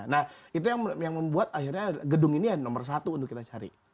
nah itu yang membuat akhirnya gedung ini yang nomor satu untuk kita cari